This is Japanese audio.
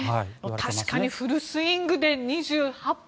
確かに、フルスイングで２８本。